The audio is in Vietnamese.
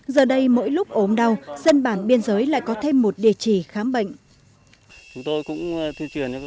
giờ đây mỗi lúc ốm đau dân bản biên giới lại có thêm một địa chỉ khám bệnh